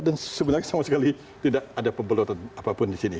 dan sebenarnya sama sekali tidak ada pembelotan apapun di sini